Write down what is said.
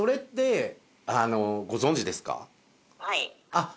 あっ。